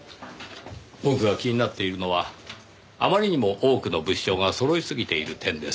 僕が気になっているのはあまりにも多くの物証がそろいすぎている点です。